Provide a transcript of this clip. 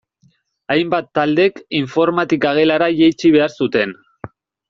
Hainbat taldek informatika gelara jaitsi behar zuten.